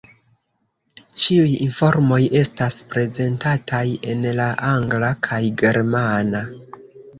Ĉiuj informoj estas prezentataj en la angla kaj germana.